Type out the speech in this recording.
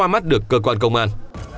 đã không qua mắt được cơ quan công an